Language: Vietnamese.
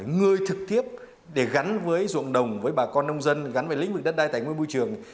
người trực tiếp để gắn với ruộng đồng với bà con nông dân gắn với lĩnh vực đất đai tài nguyên môi trường